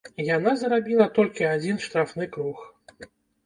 Яна зарабіла толькі адзін штрафны круг.